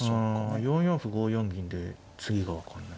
あ４四歩５四銀で次が分かんない。